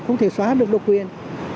không thể xóa được độc quyền